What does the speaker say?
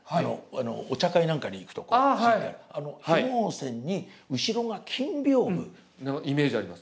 お茶会なんかに行くと敷いてあるあの緋毛氈に後ろが金びょうぶ。のイメージあります。